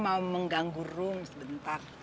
maaf ya mau mengganggu rum sebentar